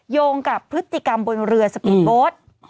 โยงกับพฤติกรรมบนเรือสปีดโบสต์